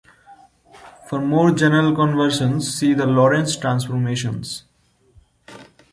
For more general conversions, see the Lorentz transformations.